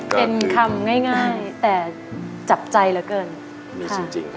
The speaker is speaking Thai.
เป็นคำง่ายแต่จับใจละกิ่ง